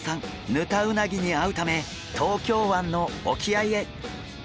ヌタウナギに会うため東京湾の沖合へ。